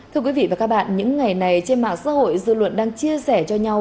thưa quý vị và các bạn những ngày này trên mạng xã hội dư luận đang chia sẻ cho nhau